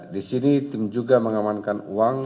di sini tim juga mengamankan uang